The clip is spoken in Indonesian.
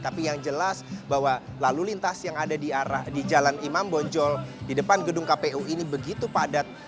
tapi yang jelas bahwa lalu lintas yang ada di jalan imam bonjol di depan gedung kpu ini begitu padat